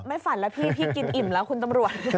ฝันแล้วพี่พี่กินอิ่มแล้วคุณตำรวจ